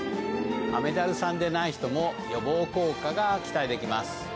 雨ダルさんでない人も予防効果が期待できます。